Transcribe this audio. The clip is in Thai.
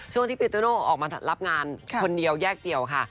ช่วงที่ปีเตอร์โน่ออกมารับงานคนเดียวแยกเดียวค่ะ